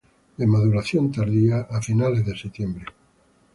De maduración tardía, a finales de septiembre.